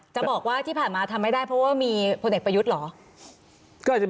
จะบอกว่าที่ผ่านมาทำไม่ได้เพราะว่ามีพลเอกประยุทธ์เหรอ